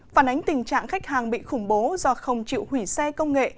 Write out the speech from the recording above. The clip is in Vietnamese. phản ánh tình trạng khách hàng bị khủng bố do không chịu hủy xe công nghệ